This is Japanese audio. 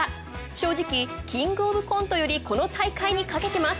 正直『キングオブコント』よりこの大会にかけてます。